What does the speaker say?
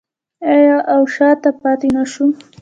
آیا او شاته پاتې نشو؟